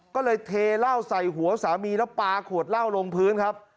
ก็เลยเทเหล้าใส่หัวสามีแล้วปลาขวดเหล้าลงพื้นครับ